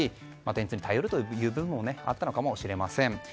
電通に頼る部分もあったのかもしれません。